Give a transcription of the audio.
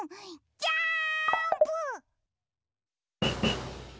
ジャンプ！！」。